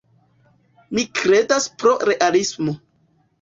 Mi kredas pro realismo.